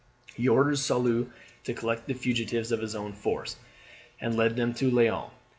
He ordered Soult to collect the fugitives of his own force, and lead them to Laon.